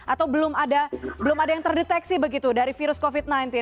atau belum ada yang terdeteksi begitu dari virus covid sembilan belas